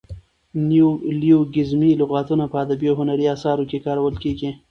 نیولوګیزمي لغاتونه په ادبي او هنري اثارو کښي کارول کیږي.